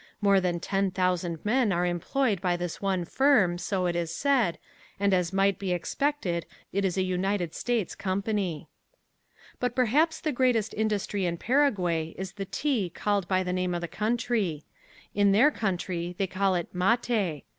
More than ten thousand men are employed by this one firm, so it is said, and as might be expected it is a United States company. But perhaps the greatest industry in Paraguay is the tea called by the name of the country. In their country they call it "mate."